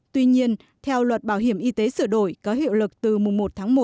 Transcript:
tuy nhiên theo luật bảo hiểm y tế sửa đổi có hiệu lực từ mùng một tháng một